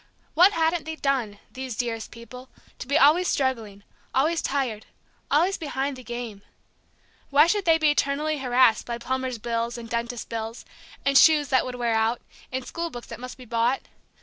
What hadn't they done, these dearest people, to be always struggling, always tired, always "behind the game"? Why should they be eternally harassed by plumbers' bills, and dentists' bills, and shoes that would wear out, and school books that must be bought?